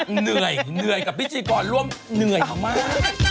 เหนื่อยเหนื่อยกับพิธีกรร่วมเหนื่อยมาก